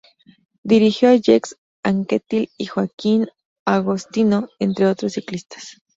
Dirigió a Jacques Anquetil y Joaquim Agostinho, entre otros ciclistas.